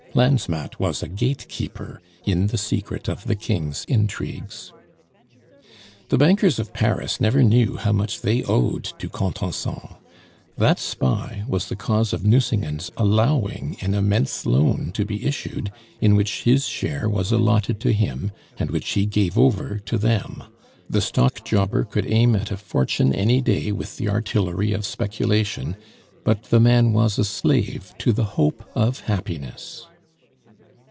Lansmatt was a gatekeeper in the secret of the King's intrigues. The bankers of Paris never knew how much they owed to Contenson. That spy was the cause of Nucingen's allowing an immense loan to be issued in which his share was allotted to him, and which he gave over to them. The stock jobber could aim at a fortune any day with the artillery of speculation, but the man was a slave to the hope of happiness.